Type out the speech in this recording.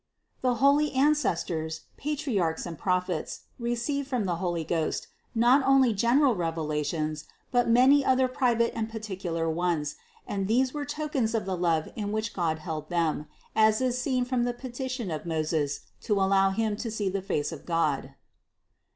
The holy Ancestors, Patriarchs and Prophets, received from the Holy Ghost not only general revelations, but many other private and particular ones, and these were tokens of the love in which God held them, as is seen from the petition of Moses to allow him to see the face of God.